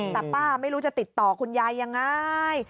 แต่ป้าไม่รู้จะติดต่อคุณยายยังไง